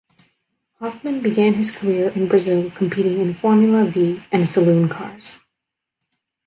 Hoffman began his career in Brazil competing in Formula Vee and saloon cars.